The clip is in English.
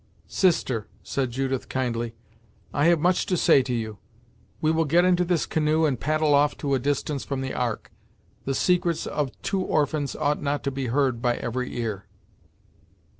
"Sister," said Judith kindly, "I have much to say to you; we will get into this canoe, and paddle off to a distance from the Ark The secrets of two orphans ought not to be heard by every ear."